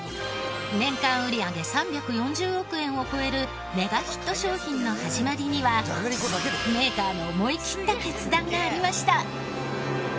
年間売り上げ３４０億円を超えるメガヒット商品の始まりにはメーカーの思い切った決断がありました。